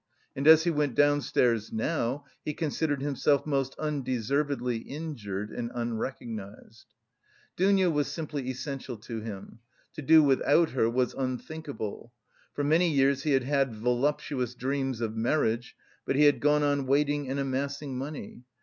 And as he went downstairs now, he considered himself most undeservedly injured and unrecognised. Dounia was simply essential to him; to do without her was unthinkable. For many years he had had voluptuous dreams of marriage, but he had gone on waiting and amassing money.